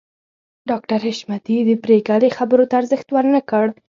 ډاکټر حشمتي د پريګلې خبرو ته ارزښت ورنکړ